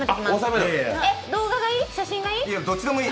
動画がいい？